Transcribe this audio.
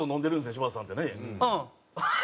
柴田さんってね。